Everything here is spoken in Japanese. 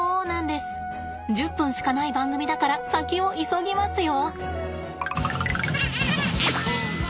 １０分しかない番組だから先を急ぎますよ！